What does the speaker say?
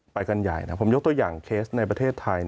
ไปกันใหญ่นะผมยกตัวอย่างเคสในประเทศไทย